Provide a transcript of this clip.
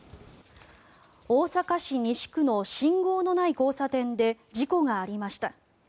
大阪市西区の信号のない交差点で事故がありました。